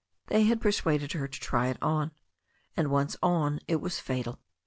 They had persuaded her to try it on, and once on it was fatal.